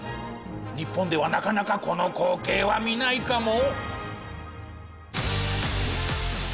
日本ではなかなかこの光景は見ないかも。